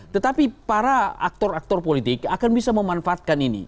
tetapi para aktor aktor politik akan bisa memanfaatkan ini